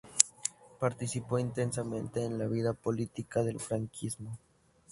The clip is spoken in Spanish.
Participó intensamente en la vida política del franquismo.